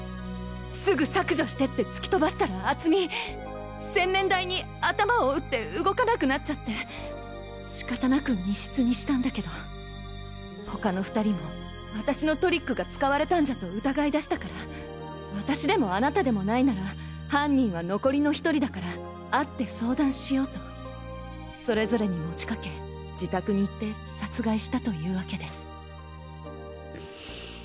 「すぐ削除して！！」って突き飛ばしたら敦実洗面台に頭を打って動かなくなっちゃって仕方なく密室にしたんだけど他の２人も私のトリックが使われたんじゃと疑いだしたから「私でもあなたでもないなら犯人は残りの１人だから会って相談しよう」とそれぞれに持ちかけ自宅に行って殺害したというわけです。